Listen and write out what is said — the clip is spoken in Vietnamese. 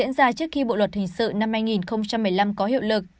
diễn ra trước khi bộ luật hình sự năm hai nghìn một mươi năm có hiệu lực